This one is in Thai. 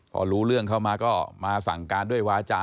พอรู้เรื่องเข้ามาก็มาสั่งการด้วยวาจา